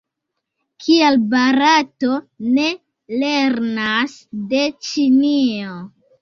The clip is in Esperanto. Kial Barato ne lernas de Ĉinio?